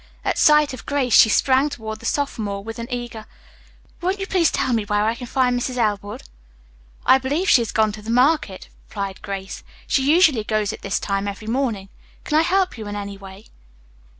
At sight of Grace she sprang toward the sophomore with an eager, "Won't you please tell me where I can find Mrs. Elwood?" "I believe she has gone to market," replied Grace. "She usually goes at this time every morning. Can I help you in any way?"